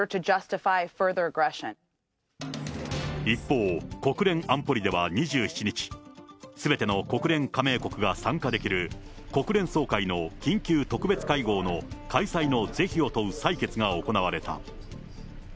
一方、国連安保理では２７日、すべての国連加盟国が参加できる、国連総会の緊急特別会合の開催の是非を問う採決が行われた。